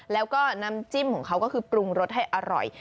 แล้วก็น้ำจิ้มของเขาก็คือปรุงรสให้อร่อย